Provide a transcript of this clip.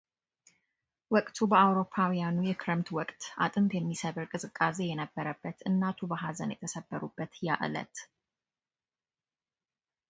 ወቅቱ በአውሮፓውያኑ የክረምት ወቅት አጥንት የሚሰብር ቅዝቃዜ የነበረበት እናቱ በሐዘን የተሰበሩበት ያ ዕለት።